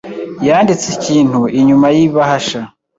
yanditse ikintu inyuma y ibahasha.